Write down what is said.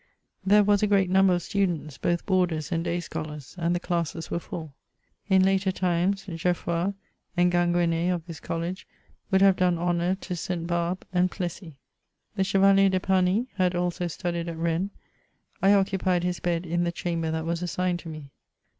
There was a great number of students, both boarders and day scholars, and the classes were full. In later times, Geaffroj and Ginguen^ of this college would have done honour to St. Barbe and Plessis. The ChevaHer de Pamy had also studied at Rennes ; I occupied his bed in the chamber that was assigned to me.